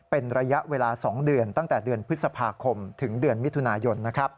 เป็นระยะเวลา๒เดือนตั้งแต่เดือนพฤษภาคมถึงเดือนมิถุนายน